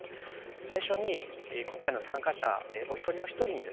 最初に今回の参加者お一人お一人にですね